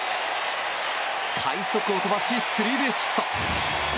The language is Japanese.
快足を飛ばしスリーベースヒット。